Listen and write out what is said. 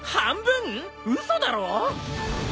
嘘だろ！？